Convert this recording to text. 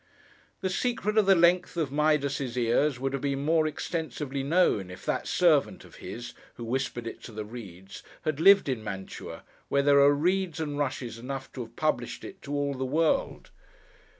The secret of the length of Midas's ears, would have been more extensively known, if that servant of his, who whispered it to the reeds, had lived in Mantua, where there are reeds and rushes enough to have published it to all the world.